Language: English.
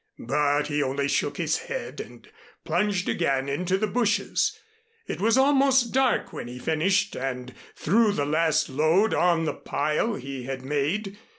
But he only shook his head and plunged again into the bushes. It was almost dark when he finished and threw the last load on the pile he had made.